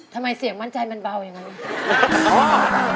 ทำไมเสียงมั่นใจมันเบาอย่างนั้น